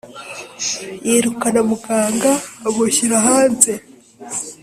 yirukana muganga amushyira hanze